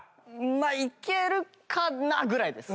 まあいけるかなぐらいです。